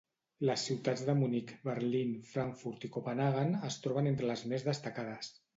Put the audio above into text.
Les ciutats de Munic, Berlín, Frankfurt i Copenhaguen es troben entre les més destacades.